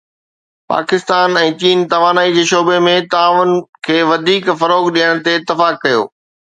پاڪستان ۽ چين توانائي جي شعبي ۾ تعاون کي وڌيڪ فروغ ڏيڻ تي اتفاق ڪيو